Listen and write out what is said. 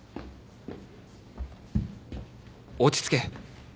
落ち着け。